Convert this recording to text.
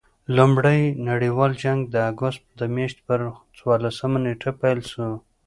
لومړي نړۍوال جنګ د اګسټ د میاشتي پر څوارلسمه نېټه پيل سو.